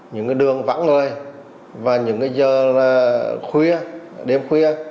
những đường vắng người và những giờ khuya đêm khuya